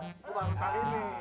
bukan boleh kagum